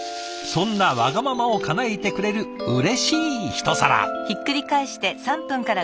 そんなわがままをかなえてくれるうれしいひと皿。